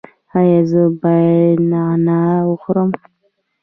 ایا زه باید نعناع وخورم؟